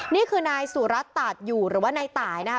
นี่คือนายสุรัตนตาดอยู่หรือว่านายตายนะคะ